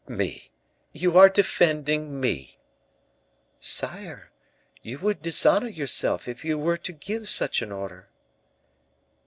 "Me! you are defending me?" "Sire, you would dishonor yourself if you were to give such an order."